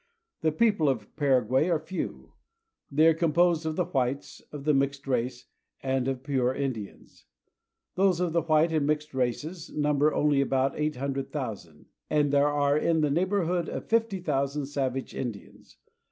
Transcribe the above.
The people of Paraguay are few. They are composed of the whites, of the mixed race, and of pure Indians. Those of the white and mixed races number only about eight hundred thousand, and there are in the neighborhood of fifty thousand savage Indians.